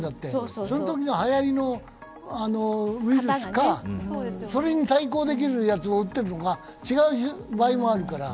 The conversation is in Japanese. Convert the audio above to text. そのときのはやりのウイルスか、それに対抗できるやつを打ってるのか、違う場合もあるから。